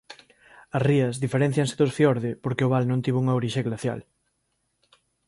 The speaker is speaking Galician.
As rías diferéncianse dos fiorde porque o val non tivo unha orixe glacial.